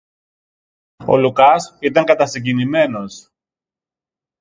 Ο Λουκάς ήταν κατασυγκινημένος.